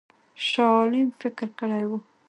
شاه عالم فکر کړی وو.